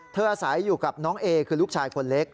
อาศัยอยู่กับน้องเอคือลูกชายคนเล็ก